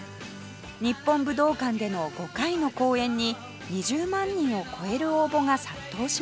日本武道館での５回の公演に２０万人を超える応募が殺到しました